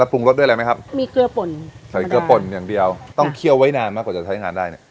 ปรุงรสด้วยอะไรไหมครับมีเกลือป่นใส่เกลือป่นอย่างเดียวต้องเคี่ยวไว้นานมากกว่าจะใช้งานได้เนี้ย